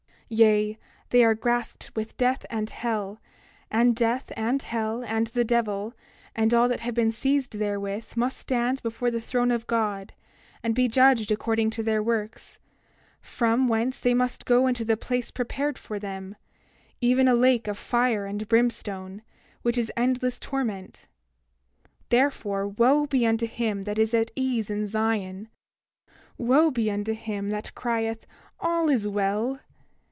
28:23 Yea, they are grasped with death, and hell; and death, and hell, and the devil, and all that have been seized therewith must stand before the throne of God, and be judged according to their works, from whence they must go into the place prepared for them, even a lake of fire and brimstone, which is endless torment. 28:24 Therefore, wo be unto him that is at ease in Zion! 28:25 Wo be unto him that crieth: All is well!